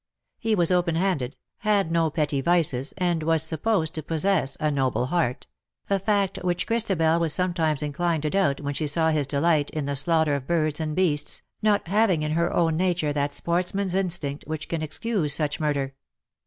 He was open handed, had no petty vicesj and was supposed to possess a noble heart — a fact which Christabel was sometimes inclined to doubt when she saw his delight in the slaughter of birds and beasts, not having in her own nature that sportsman's instinct which can excuse such murder.